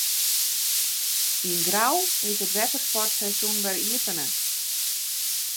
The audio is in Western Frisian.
Yn Grou is it wettersportseizoen wer iepene.